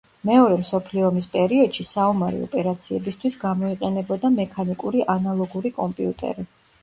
მეორე მსოფლიო ომის პერიოდში საომარი ოპერაციებისთვის გამოიყენებოდა მექანიკური ანალოგური კომპიუტერი.